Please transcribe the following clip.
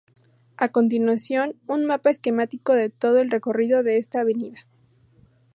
A continuación, un mapa esquemático de todo el recorrido de esta avenida.